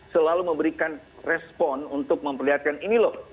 selalu memberikan respon untuk memperlihatkan ini loh